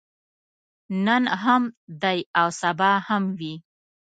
نن هم دی او سبا به هم وي.